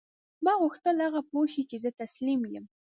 ما غوښتل هغه پوه شي چې زه تسلیم یم